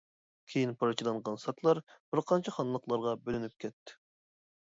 كېيىن پارچىلانغان ساكلار بىر قانچە خانلىقلارغا بۆلۈنۈپ كەتتى.